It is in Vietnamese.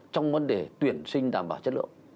trong vấn đề tuyển sinh đảm bảo chất lượng